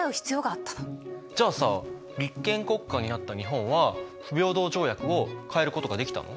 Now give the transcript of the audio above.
じゃあさ立憲国家になった日本は不平等条約を変えることができたの？